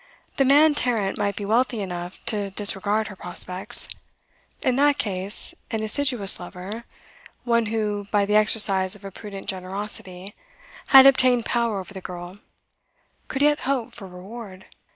The man Tarrant might be wealthy enough to disregard her prospects. In that case an assiduous lover, one who, by the exercise of a prudent generosity, had obtained power over the girl, could yet hope for reward.